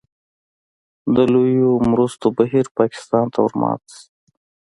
د لویو مرستو بهیر پاکستان ته ورمات شي.